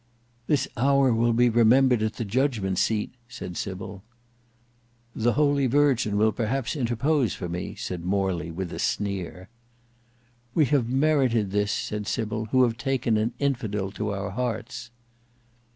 "This hour will be remembered at the judgment seat," said Sybil. "The holy Virgin will perhaps interpose for me," said Morley, with a sneer. "We have merited this," said Sybil, "who have taken an infidel to our hearts."